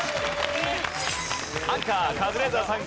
アンカーカズレーザーさん。